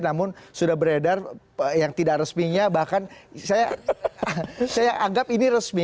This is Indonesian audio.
namun sudah beredar yang tidak resminya bahkan saya anggap ini resmi